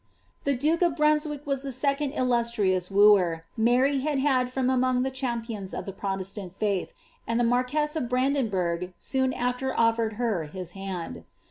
The duke of Brunswick was the second illustrious wooer Mary had had from among the champions of the Protestant faith, and the marquess of Branden burgh soon after offered her his hand.